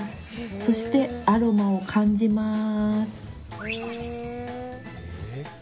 そして、アロマを感じます。